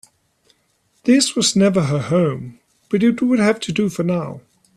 This was never her home, but it would have to do for now.